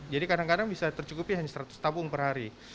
jadi kadang kadang bisa tercukupi hanya seratus tabung per hari